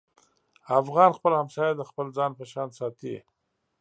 افغان خپل همسایه د خپل ځان په شان ساتي.